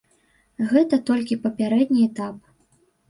Гэта толькі папярэдні этап.